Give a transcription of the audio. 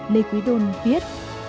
lê quý đôn viết